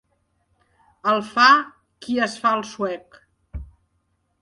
El fa qui es fa el suec.